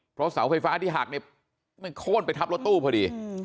เพราะเสาไฟฟ้าที่หักเนี่ยมันโค้นไปทับรถตู้พอดี